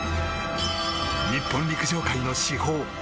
日本陸上界の至宝